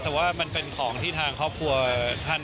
แต่ว่ามันเป็นของที่ทางครอบครัวท่าน